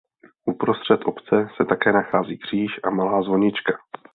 Uprostřed obce se také nachází kříž a malá zvonička.